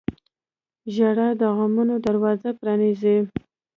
• ژړا د غمونو دروازه پرانیزي.